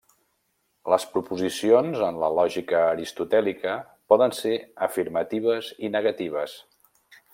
Les proposicions en la lògica aristotèlica poden ser afirmatives i negatives.